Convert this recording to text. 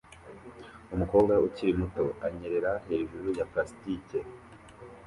umukobwa ukiri muto anyerera hejuru ya plastike